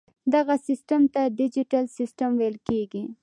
دغه سیسټم ته ډیجیټل سیسټم ویل کیږي.